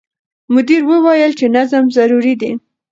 مدیر وویل چې نظم ضروري دی.